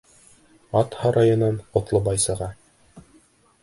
Ат һарайынан Ҡотлобай сыға.